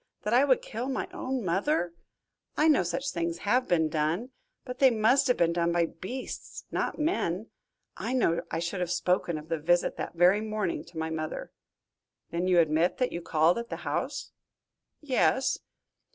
That I would kill my own mother! I know such things have been done, but they must have been done by beasts, not men. I know I should have spoken of the visit that very morning to my mother." "Then you admit that you called at the house?" "Yes."